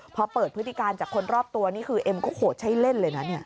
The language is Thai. พอเปิดพฤติการจากคนรอบตัวนี่คือเอ็มก็โหดใช้เล่นเลยนะเนี่ย